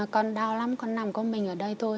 con đau lắm con nằm của mình ở đây thôi